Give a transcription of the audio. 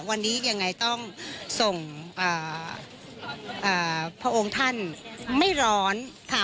อะกาศก็ฮ้อนครับแม่